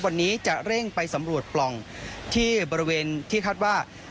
วันนี้จะเร่งไปสำรวจปล่องที่บริเวณที่คาดว่า